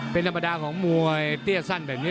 เป็นธรรมดาของมวยเตี้ยสั้นแบบนี้